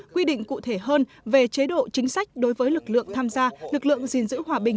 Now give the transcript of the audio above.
quy định cụ thể hơn về chế độ chính sách đối với lực lượng tham gia lực lượng gìn giữ hòa bình